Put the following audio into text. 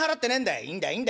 「いいんだいいいんだい。